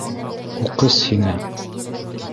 Ҡуҡыс һиңә!